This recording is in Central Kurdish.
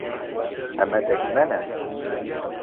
ئەمە دەگمەنە.